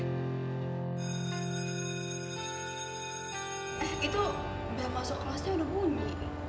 eh itu bel masuk kelasnya udah bunyi